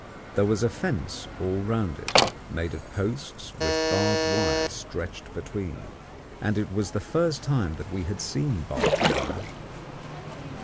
There was a fence all round it, made of posts with barbed wire stretched between, and it was the first time that we had seen barbed wire.